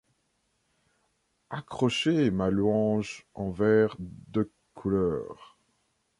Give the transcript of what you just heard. Accrocher ma louange en verres de couleur